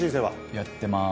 やってます。